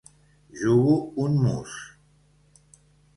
Jugo un mus...